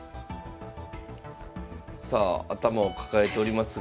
さあ頭を抱えておりますが。